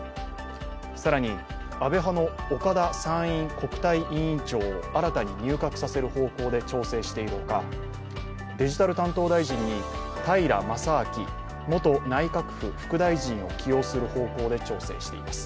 更に、安倍派の岡田参院国対委員長を新たに入閣させる方向で調整しているほかデジタル担当大臣に平将明元内閣府副大臣を起用する方向で調整しています。